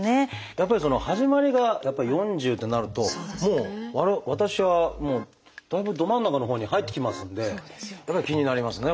やっぱり始まりが４０ってなると私はだいぶど真ん中のほうに入ってきますのでやっぱり気になりますね